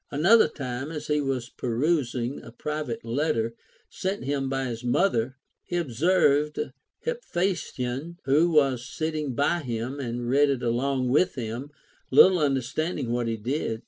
Another time, as he was perusing a private letter sent him by his mother, he ob served Hephaestion, who was sitting by him, to read it along with him, little understanding what he did.